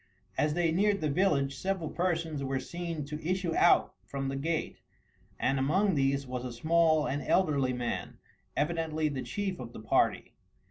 As they neared the village several persons were seen to issue out from the gate, and among these was a small and elderly man, evidently the chief of the party.